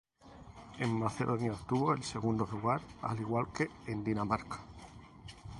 En Macedonia obtuvo el segundo lugar al igual que en Dinamarca.